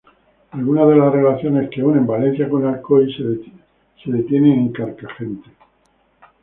Algunas de las relaciones que unen Valencia con Alcoy se detienen en Carcagente.